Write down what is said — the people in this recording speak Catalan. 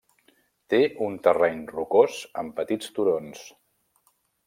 Té un terreny rocós amb petits turons.